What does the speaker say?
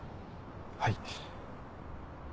はい。